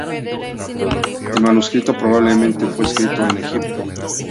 El manuscrito probablemente fue escrito en Egipto.